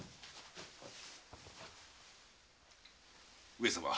上様。